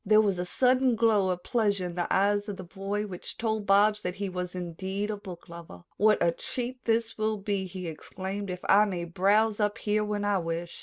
There was a sudden glow of pleasure in the eyes of the boy which told Bobs that he was indeed a booklover. "What a treat this will be," he exclaimed, "if I may browse up here when I wish."